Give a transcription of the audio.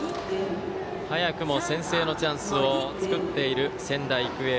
早くも先制のチャンスを作っている仙台育英。